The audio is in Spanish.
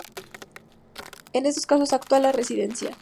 En estos casos actúa la "resistencia".